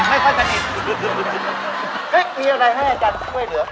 ฮ่าเนี่ยเฮ้มีอะไรให้อาจารย์ค่อยเหลือ